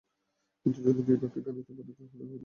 কিন্তু যদি বিভাকে আনিতে পাঠান, তাহা হইলে সকলে কী মনে করিবে!